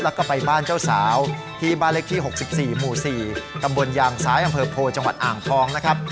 แล้วก็ไปบ้านเจ้าสาวที่บ้านเล็กที่๖๔หมู่๔ตำบลยางซ้ายอำเภอโพจังหวัดอ่างทองนะครับ